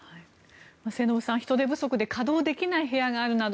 末延さん、人手不足で稼働できない部屋があるなど